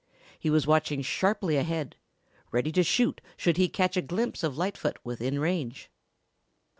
He was watching sharply ahead, ready to shoot should he catch a glimpse of Lightfoot within range.